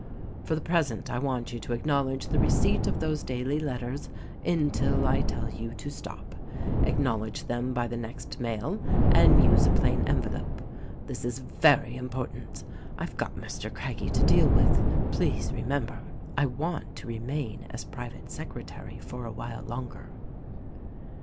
"For the present I want you to acknowledge the receipt of those daily letters, until I tell you to stop. Acknowledge them by the next mail and use a plain envelope. This is very important ! I've got Mr. Craggie to deal with — please remember. I want to remain as private secretary for a while longer."